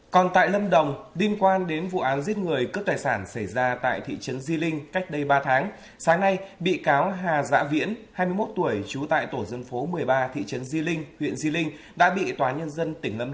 các bạn hãy đăng ký kênh để ủng hộ kênh của chúng mình nhé